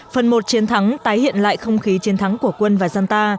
phần một chiến thắng tái hiện lại không khí chiến thắng của quân và dân ta